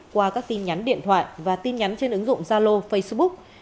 qua các tin nhắn điện thoại và tin nhắn trên ứng dụng zalo facebook